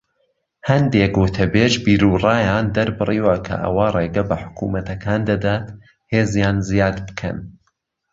هەندێک وتەبێژ بیرو ڕایان دەربڕیووە کە ئەوە ڕێگە بە حکومەتەکان دەدات هێزیان زیاد بکەن.